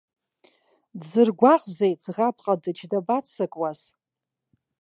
Дзыргәаҟзеи ӡӷаб ҟадыџь, дабаццакуаз.